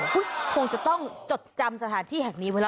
ถึงคงจะต้องจดจำสถานที่แถ่งนี้ไปแล้วล่ะ